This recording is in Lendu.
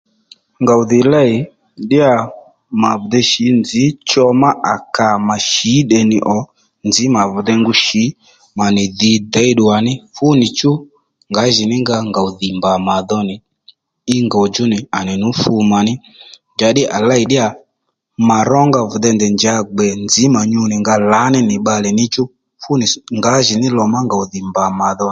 Ngòw dhì lêy ddíyà mà vì dey shì nzǐ cho má kà mà shǐ tdè nì ò nzǐ mà vì dey ngu shì mà nì dhǐy děy ddùwà ní fúnì chú ngǎjìní nga ngòw dhì mbà màdho nì í ngòw djú nì à nì nú fu mà nì njǎddǐ à lêy ddíyà mà ró nga vì dey ndèy njǎ gbè dzǐy mà vì dey nga nyù lǎní nì bbalè níchú fúnì ngǎjì ní lò ngòw dhì mbà mà dho